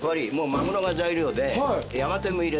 マグロが材料で。